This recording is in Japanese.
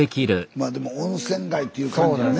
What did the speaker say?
まあでも温泉街っていう感じやね。